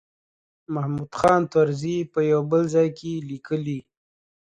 محمود خان طرزي په یو بل ځای کې لیکلي.